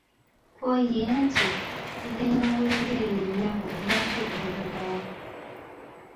Kko ye nti, "Tugenda Bweyogerere, nnyabo obadde olaga wa?"